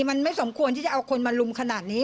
มันไม่สมควรที่จะเอาคนมาลุมขนาดนี้